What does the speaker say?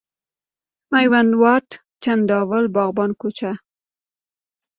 میوند واټ، چنداول، باغبان کوچه،